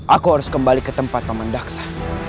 aku harus kembali ke tempat paman daksa